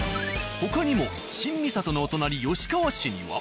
他にも新三郷のお隣吉川市には。